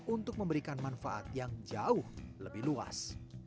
untuk memberikan manfaat yang jauh lebih luas